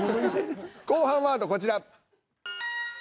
後半ワードこちら。